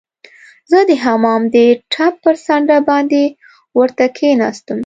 زه د حمام د ټپ پر څنډه باندې ورته کښیناستم.